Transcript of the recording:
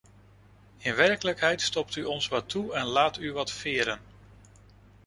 In werkelijkheid stopt u ons wat toe en laat u wat veren.